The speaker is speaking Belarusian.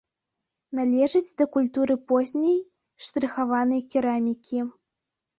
Належыць да культуры позняй штрыхаванай керамікі.